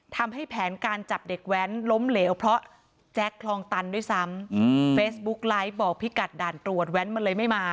ทำให้แผนการจับเด็กแว้นล้มเหลวเพราะแจ็คคลองตันด้วยซ้ำเฟซบุ๊กไลฟ์บอกพิกัดด่านตรวจแว้นมันเลยไม่มา